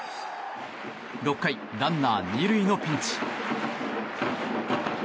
６回、ランナー２塁のピンチ。